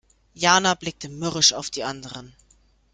Jana blickte mürrisch auf die anderen.